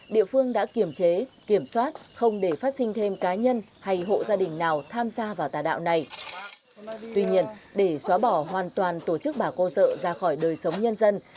tuy nhiên để xóa bỏ hoàn toàn tổ chức bà cô sợ ra khỏi đời sống nhân dân